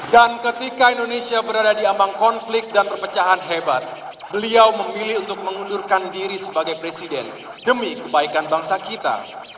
dan ketika indonesia berada di ambang konflik dan perpecahan hebat beliau memilih untuk mengundurkan diri sebagai presiden demi kebaikan bangsa kita